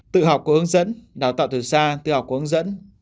tự học của hướng dẫn đào tạo thử xa tự học của hướng dẫn